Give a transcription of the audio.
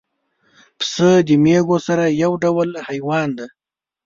پسه د مېږو سره یو ډول حیوان دی.